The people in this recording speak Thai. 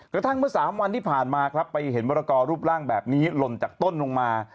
กระทั่งเมื่อ๓วันที่ผ่านมาครับไปเห็นมรกอรูปร่างแบบนี้หล่นจากต้นลงมา